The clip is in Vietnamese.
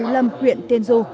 nguyễn lâm huyện tiên du